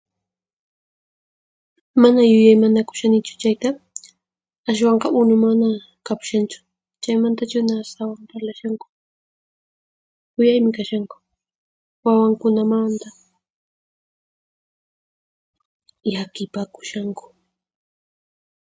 Mana yuyaymanakushanichu chayta, ashwanqa unu mana kapushanchu, chaymantachuna astawan parlashanku. Khuyaymi kashanku, wawankunamanta llakipakushanku.